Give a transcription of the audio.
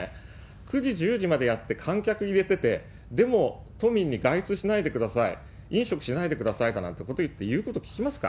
９時、１０時までやって、観客入れてて、でも都民に外出しないでください、飲食しないでくださいだなんてこと言って、言うこと聞きますか？